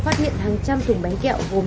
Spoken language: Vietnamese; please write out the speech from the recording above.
phát hiện hàng trăm thùng bánh kẹo gồm